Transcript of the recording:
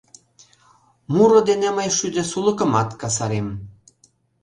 Муро дене мый шӱдӧ сулыкымат касарем.